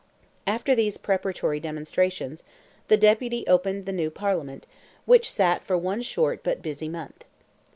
After these preparatory demonstrations, the Deputy opened the new Parliament, which sat for one short but busy month.